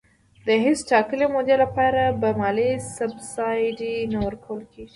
د هیڅ ټاکلي مودې لپاره به مالي سبسایډي نه ورکول کېږي.